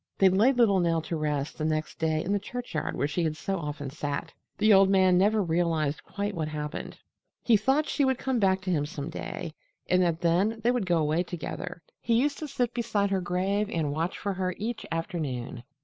They laid little Nell to rest the next day in the churchyard where she had so often sat. The old man never realized quite what had happened. He thought she would come back to him some day, and that then they would go away together. He used to sit beside her grave and watch for her each afternoon.